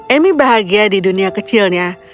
emi bahagia di dunia kecilnya